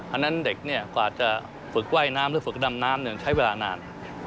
อันนั้นเด็กกว่าจะฝึกว่ายน้ำหรือฝึกดำน้ำใช้เวลานาน